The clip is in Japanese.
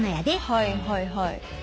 はいはいはい。